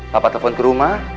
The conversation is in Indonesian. papa telepon ke rumah